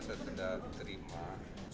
saya tidak terima